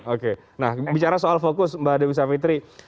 oke nah bicara soal fokus mbak dewi savitri